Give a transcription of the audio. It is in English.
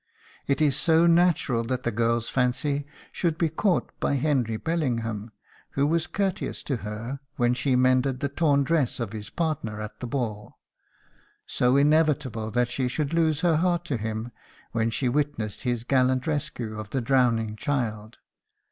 It is so natural that the girl's fancy should be caught by Henry Bellingham, who was courteous to her when she mended the torn dress of his partner at the ball; so inevitable that she should lose her heart to him when she witnessed his gallant rescue of the drowning child.